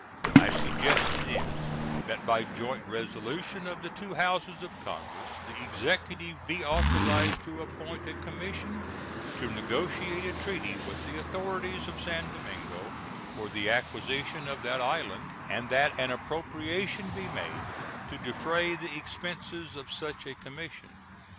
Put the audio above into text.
My suggestion is that by joint resolution of the two Houses of Congress the Executive be authorized to appoint a commission to negotiate a treaty with the authorities of San Domingo for the acquisition of that island, and that an appropriation be made to defray the expenses of such a commission.